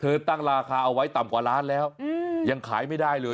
ตั้งราคาเอาไว้ต่ำกว่าล้านแล้วยังขายไม่ได้เลย